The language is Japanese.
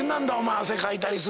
汗かいたりするから。